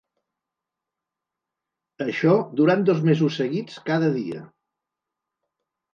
Això durant dos mesos seguits, cada dia.